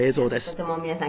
とても皆さん